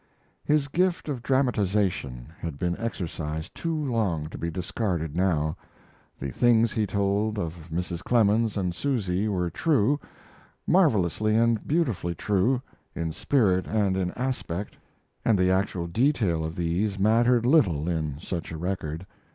His gift of dramatization had been exercised too long to be discarded now. The things he told of Mrs. Clemens and of Susy were true marvelously and beautifully true, in spirit and in aspect and the actual detail of these mattered little in such a record.